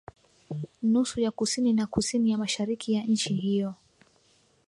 Nusu ya kusini na kusini ya mashariki ya nchi hiyo